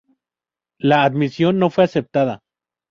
La dimisión no fue aceptada.